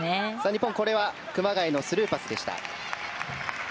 日本、これは熊谷のスルーパスでした。